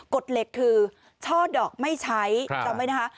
กฎเหล็กคือช่อดอกไม่ใช้จำไว้นะคะ